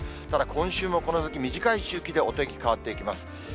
ただ、今週もこの先、短い周期でお天気変わっていきます。